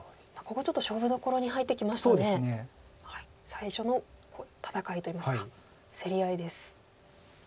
最初の戦いといいますか競り合いです。